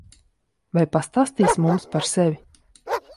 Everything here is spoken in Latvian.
Vai pastāstīsi mums par sevi?